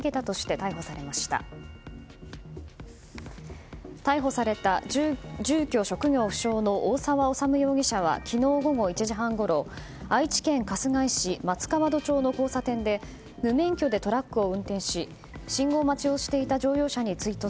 逮捕された住居職業不詳の大澤修容疑者は昨日午後１時半ごろ愛知県春日井市松河戸町の交差点で無免許でトラックを運転し信号待ちをしていた乗用車に追突。